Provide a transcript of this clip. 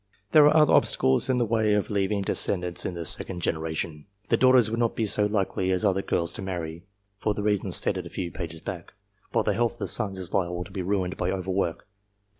There are other obstacles in the way of leaving .de scendants in the second generation. The daughters would not Be so likely as other girls to marry, for the reasons stated a few pages back ; while the health of the sons is liable to be ruined by over work.